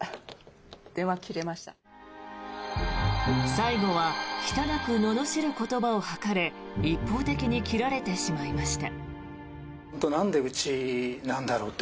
最後は汚くののしる言葉を吐かれ一方的に切られてしまいました。